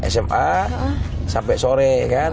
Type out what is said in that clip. sma sampai sore kan